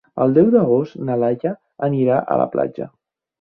El deu d'agost na Laia anirà a la platja.